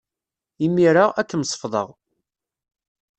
Imir-a, ad kem-sefḍeɣ.